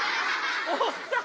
おっさん